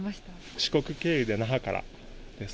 四国経由で那覇からです。